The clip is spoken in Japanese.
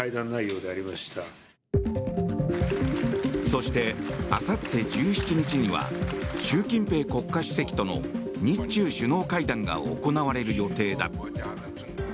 そして、あさって１７日には習近平国家主席との日中首脳会談が行われる予定だ。